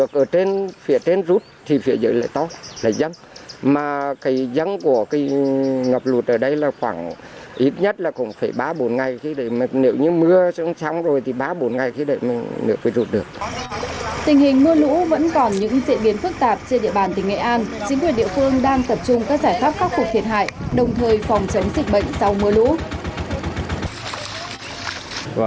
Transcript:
chính quyền địa phương đang tập trung các giải pháp khắc phục thiệt hại đồng thời phòng chống dịch bệnh sau mưa lũ